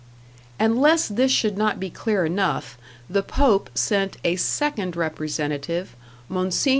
And lest this should not be clear enough, the Pope sent a second representative, Mgr.